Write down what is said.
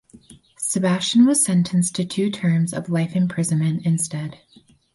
Sebastian was sentenced to two terms of life imprisonment instead.